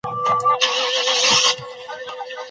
اخلاقي مکتب د خلګو د نېکمرغۍ لپاره دی.